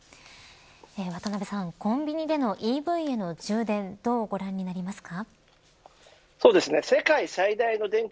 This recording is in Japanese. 渡辺さん、コンビニでのＥＶへの充電どうご覧になりますか。